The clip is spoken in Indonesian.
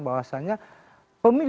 maksudnya lounge hybrid